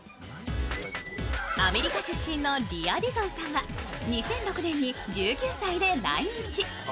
アメリカ出身のリア・ディゾンさんは２００６年に１９歳で来日。